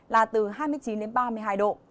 là từ hai mươi chín đến ba mươi hai độ